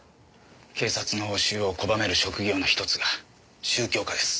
警察の押収を拒める職業の１つが宗教家です。